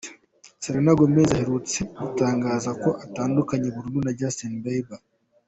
Serena Gomez aherutse gutangaza ko atandukanye burundu na Justin Bieber